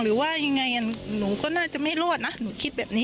หรือว่ายังไงหนูก็น่าจะไม่รอดนะหนูคิดแบบนี้